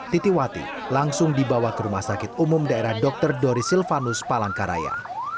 titiwati langsung dibawa ke rumah sakit umum daerah dr doris silvanus palangkaraya